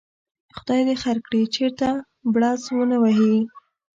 خدای دې خیر کړي، چېرته بړز ونه وهي.